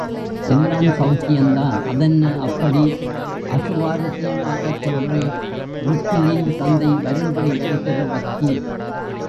எல்லாம் சௌக்கியந்தான். அதென்ன, அப்படி அசுவாரசியமாய்ச் சொல்றே? ருக்குலின் தந்தை வரும்படி வருகிற வக்கீல்.